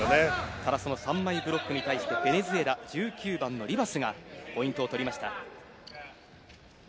ただその３枚ブロックに対してベネズエラ、１９番のリバスがポイントを取りました。